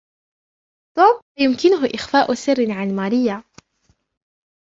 توم لا يمكنهُ إخفاء سر عن ماريا.